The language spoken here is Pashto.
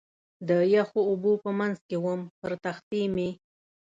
د یخو اوبو په منځ کې ووم، پر تختې مې.